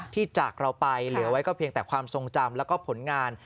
จากเราไปเหลือไว้ก็เพียงแต่ความทรงจำแล้วก็ผลงาน